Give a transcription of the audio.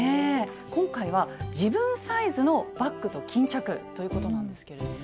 今回は自分サイズのバッグと巾着ということなんですけれども。